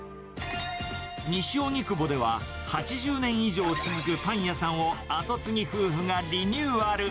西荻窪では、８０年以上続くパン屋さんを後継ぎ夫婦がリニューアル。